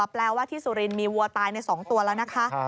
แปลว่าที่สุรินทร์มีวัวตายใน๒ตัวแล้วนะคะ